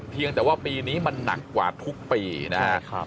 เพียงแต่ว่าปีนี้มันหนักกว่าทุกปีนะครับ